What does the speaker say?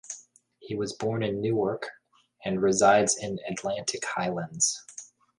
He was born in Newark and resides in Atlantic Highlands.